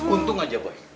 untung aja boy